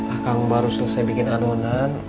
akang baru selesai bikin adonan